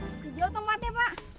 masih jauh tempatnya pak